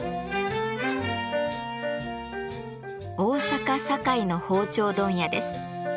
大阪・堺の包丁問屋です。